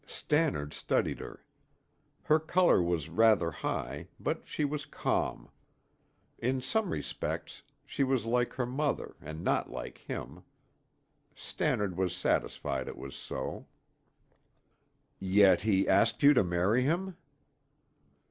Stannard studied her. Her color was rather high, but she was calm. In some respects, she was like her mother and not like him. Stannard was satisfied it was so. "Yet he asked you to marry him!"